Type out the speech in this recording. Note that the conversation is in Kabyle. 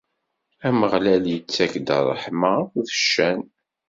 Ameɣlal ittak-d ṛṛeḥma akked ccan.